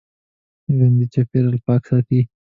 ژوندي چاپېریال پاک ساتي